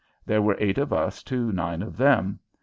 There were eight of us to nine of them.